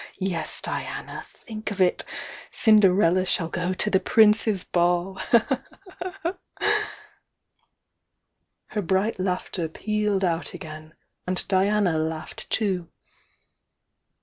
Yes Di ana!— Think of it! CindereUa shaU go to' the Prince's Ball!" * Her bright laughter pealed out again, and Diana laughed too.